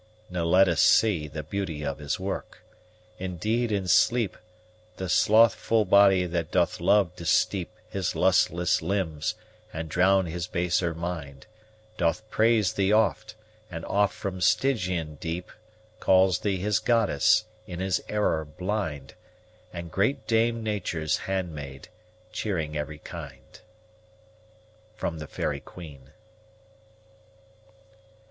ne lettest see The beautie of his worke? Indeede in sleepe, The slouth full body that doth love to steepe His lustlesse limbs, and drowne his baser mind, Doth praise thee oft, and oft from Stygian deepe, Calles thee his goddesse, in his errour blind, And great dame Nature's hand maide, chearing every kinde. _Faerie Queene.